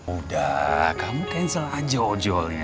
udah kamu cancel aja ojolnya